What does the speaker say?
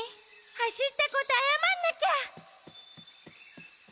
はしったことあやまんなきゃ！